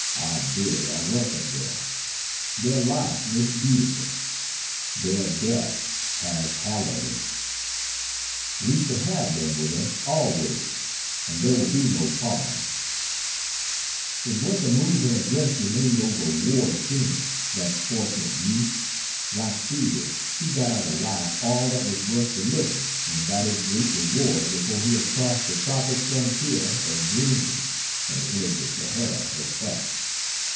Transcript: Our dead are welcome there; their life made it beautiful, their death has hallowed it, we shall have them with us always, and there will be no parting. It was a moving address you made over Ward Cheney that fortunate, youth! Like Susy, he got out of life all that was worth the living, and got his great reward before he had crossed the tropic frontier of dreams and entered the Sahara of fact.